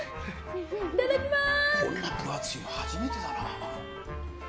いただきます！